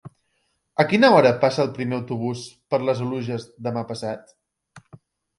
A quina hora passa el primer autobús per les Oluges demà passat?